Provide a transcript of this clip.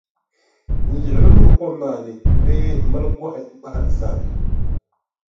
N-yiɣiri luri kom maa ni bee m-mali gɔhi n-gbahiri zahim.